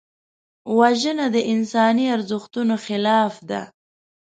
وژنه د انساني ارزښتونو خلاف ده